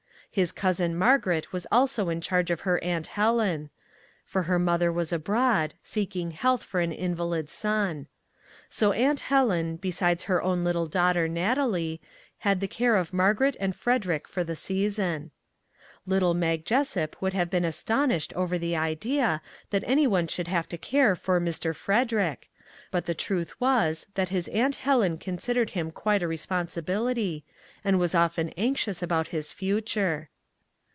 His Cousin Margaret was also in charge of her Aunt Helen, for her mother was abroad, seeking health for an invalid son. So Aunt Helen, be sides her own little daughter Natalie, had the care of Margaret and Frederick for the season. Little Mag Jessup would have been astonished over the idea that any one should have to care for " Mr. Frederick," but the truth was that his Aunt Helen considered him quite a respon 194 PEAS AND PICNICS sibility, and was often anxious about his future.